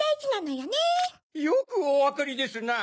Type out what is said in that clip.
よくおわかりですなぁ。